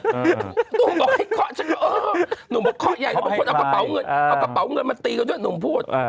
หนุ่มบอกให้เคาะใหญ่แล้วเอากระเป๋าเงินเอากระเป๋าเงินมาตีเขาด้วยหนุ่มพูด